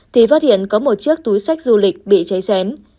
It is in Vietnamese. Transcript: thì phát hiện có một chiếc túi sách du lịch bị cháy xén